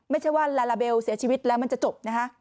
ไม่ใช่ว่าลาลาเบลเสียชีวิตแล้วมันจะจบนะคะ